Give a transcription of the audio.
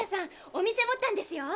お店持ったんですよ。